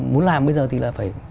muốn làm bây giờ thì là phải